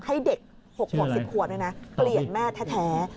ให้เด็ก๖ขวบ๑๐ขวบเปลี่ยนแม่แท้